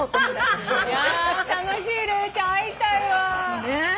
楽しいレイちゃん会いたいわ。